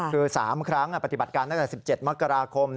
คือ๓ครั้งปฏิบัติการตั้งแต่๑๗มกราคม